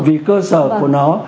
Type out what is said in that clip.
vì cơ sở của nó